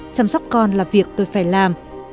chăm sóc con là việc tôi phải làm